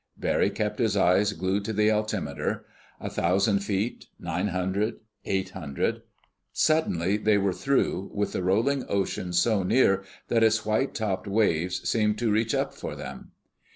Barry kept his eyes glued to the altimeter: a thousand feet, nine hundred, eight hundred—Suddenly they were through, with the rolling ocean so near that its white topped waves seemed to reach up for them.